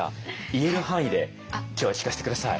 言える範囲で今日は聞かせて下さい。